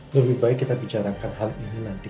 lebih baik kita bicarakan hal ini nanti